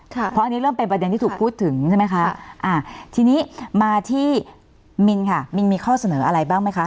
เพราะอันนี้เริ่มเป็นประเด็นที่ถูกพูดถึงใช่ไหมคะอ่าทีนี้มาที่มินค่ะมินมีข้อเสนออะไรบ้างไหมคะ